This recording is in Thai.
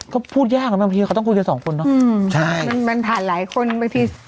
ก็พูดยากนะบางทีเขาต้องคุยกันสองคนเนอะอืมใช่มันมันผ่านหลายคนบางที